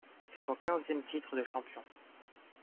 C’est son quinzième titre de champion.